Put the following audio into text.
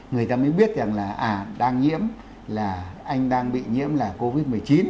người ta mới biết rằng là đang nhiễm là anh đang bị nhiễm là covid một mươi chín